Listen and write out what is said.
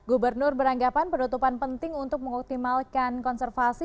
gubernur beranggapan penutupan penting untuk mengoptimalkan konservasi